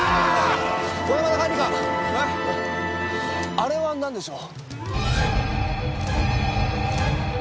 あれはなんでしょう？